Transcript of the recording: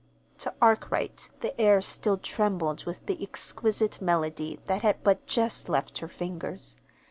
To Arkwright the air still trembled with the exquisite melody that had but just left her fingers.